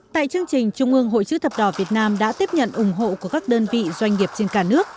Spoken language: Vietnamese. tại chương trình trung ương hội chữ thập đỏ việt nam đã tiếp nhận ủng hộ của các đơn vị doanh nghiệp trên cả nước